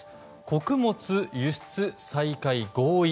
穀物輸出再開合意